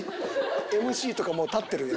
ＭＣとかもう立ってるよ。